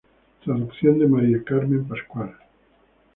Traducción de María Carmen Pascual.